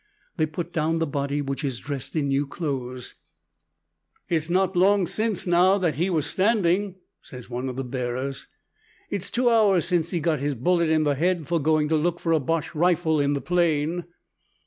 They put down the body, which is dressed in new clothes. "It's not long since, now, that he was standing," says one of the bearers. "It's two hours since he got his bullet in the head for going to look for a Boche rifle in the plain.